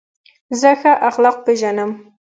زه ښه اخلاق پېژنم.